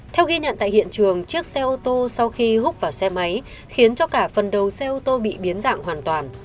theo ghi nhận tại hiện trường chiếc xe ô tô sau khi hút vào xe máy khiến cho cả phần đầu xe ô tô bị biến dạng hoàn toàn